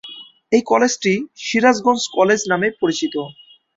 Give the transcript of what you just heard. এই কলেজটি "সিরাজগঞ্জ কলেজ" নামে পরিচিত।